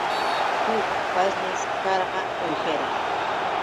Huk pashñash karqa uwihira.